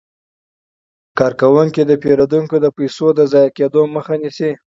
کارکوونکي د پیرودونکو د پيسو د ضایع کیدو مخه نیسي.